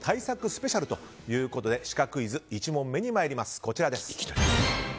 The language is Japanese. スペシャルということでシカクイズ、１問目に参ります。